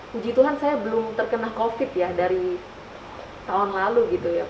puji tuhan saya belum terkena covid sembilan belas dari tahun lalu